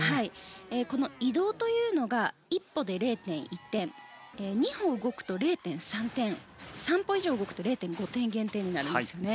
この移動というのが１歩で０．１点２歩動くと０．３点３歩以上動くと０．５点減点になりますよね。